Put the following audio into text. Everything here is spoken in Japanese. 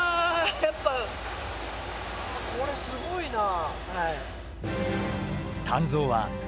やっぱこれすごいな。